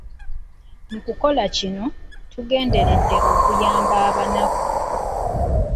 Mu kukola kino, tugenderedde okuyamba abanaku.